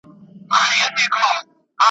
بيا په وينو اوبه کيږي `